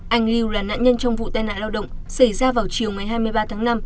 anh lưu là nạn nhân trong vụ tai nạn lao động xảy ra vào chiều ngày hai mươi ba tháng năm